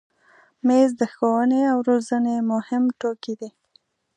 مېز د ښوونې او روزنې مهم توکي دي.